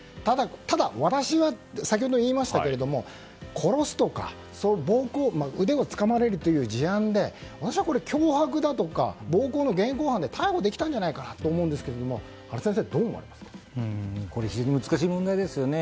ただ、私は先ほど言いましたが殺すとか、暴行腕をつかまれるという事案で脅迫だとか暴行の現行犯で逮捕できたんじゃないかなと思うんですけども非常に難しい問題ですね。